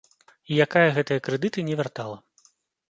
І якая гэтыя крэдыты не вяртала.